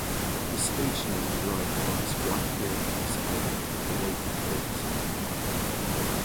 His stage name derived from his black hair and his idol, Roy Orbison.